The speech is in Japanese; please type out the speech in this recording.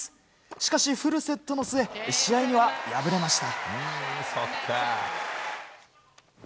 しかし、フルセットの末試合には敗れました。